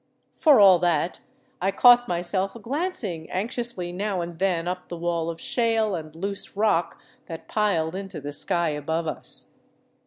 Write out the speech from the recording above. For all that, I caught myself glancing anxiously now and then up the wall of shale and loose rock that piled into the sky above us.